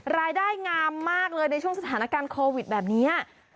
รายได้งามมากเลยในช่วงสถานการณ์โควิดแบบนี้